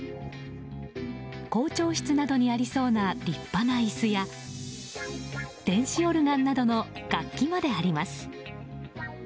校長室などにありそうな立派な椅子や電子オルガンなどの楽器まであります。